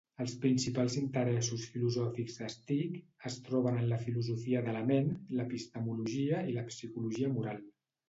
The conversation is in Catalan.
Els principals interessos filosòfics de Stich es troben en la filosofia de la ment, l'epistemologia i la psicologia moral.